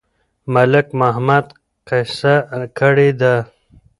ملک محمد قصه کړې ده.